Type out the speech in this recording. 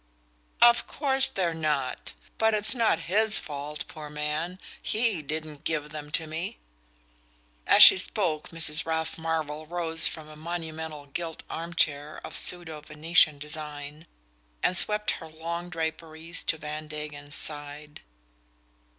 "Of course they're not! But it's not HIS fault, poor man; HE didn't give them to me!" As she spoke Mrs. Ralph Marvell rose from a monumental gilt arm chair of pseudo Venetian design and swept her long draperies to Van Degen's side.